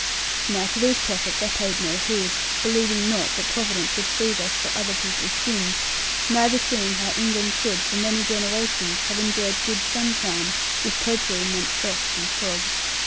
Now to these prophets I paid no heed, believing not that Providence would freeze us for other people's sins; neither seeing how England could for many generations have enjoyed good sunshine, if Popery meant frost and fogs.